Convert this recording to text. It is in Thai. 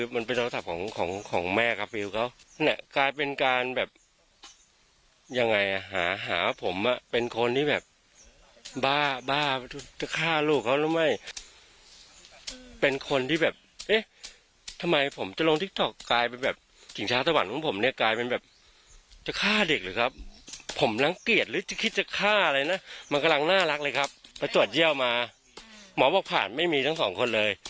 มันกำลังน่ารักเลยครับแล้วตรวจเยี่ยวมาหมอบอกผ่านไม่มีทั้งสองคนเลย